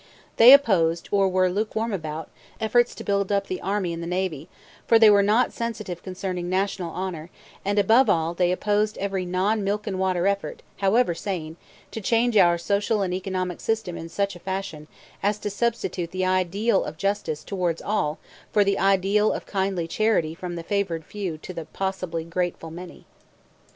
They opposed, or were lukewarm about, efforts to build up the army and the navy, for they were not sensitive concerning National honor; and, above all, they opposed every non milk and water effort, however sane, to change our social and economic system in such a fashion as to substitute the ideal of justice towards all for the ideal of kindly charity from the favored few to the possibly grateful many.